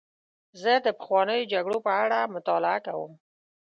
زه د پخوانیو جګړو په اړه مطالعه کوم.